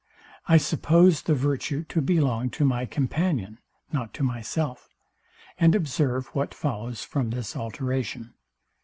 I suppose the virtue to belong to my companion, not to myself; and observe what follows from this alteration.